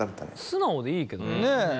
素直でいいけどね。